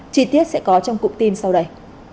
chí tiết sẽ có trong cục tin sau đây